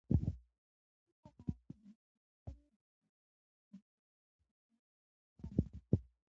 سیاسي پوهاوی د داخلي شخړو د کمولو او بحرانونو مخنیوي وسیله ده